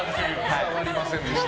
伝わりませんでした。